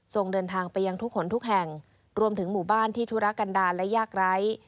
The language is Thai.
เดินทางไปยังทุกคนทุกแห่งรวมถึงหมู่บ้านที่ธุรกันดาลและยากไร้